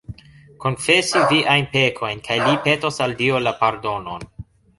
Konfesi viajn pekojn kaj li petos al Dio la pardonon